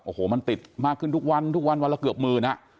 โอ้โหมันติดมากขึ้นทุกวันทุกวันวันละเกือบหมื่นอ่ะ